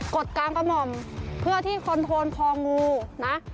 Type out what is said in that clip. ดกลางกระหม่อมเพื่อที่คอนโทนพองูนะ